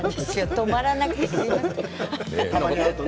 止まらなくて、すみません。